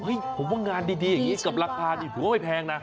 เฮ้ยผมว่างานดีอย่างนี้กับราคาถูกว่าไม่แพงนะ